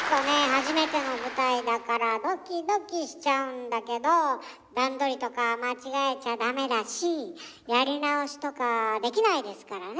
初めての舞台だからドキドキしちゃうんだけど段取りとか間違えちゃダメだしやり直しとかできないですからね